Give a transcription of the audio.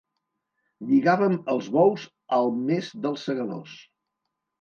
Lligàvem els bous al mes dels segadors.